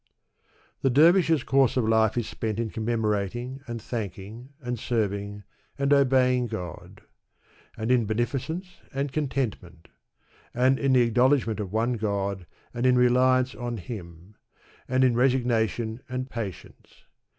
The dervish's course of life is spent in commemorating, and thanking, and serving, and obeying God ; and in beneficence and contentment ; and in the acknowledg ment of one Gk>d and in reliance on Him; and in resignation and patience.